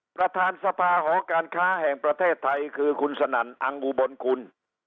ประธานสภาหอการค้าแห่งประเทศไทยคือคุณสนั่นอังอุบลกุล